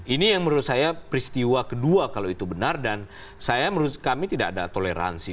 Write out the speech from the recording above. ini yang menurut saya peristiwa kedua kalau itu benar dan saya menurut kami tidak ada toleransi